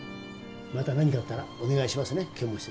また何かあったらお願いしますね剣持先生。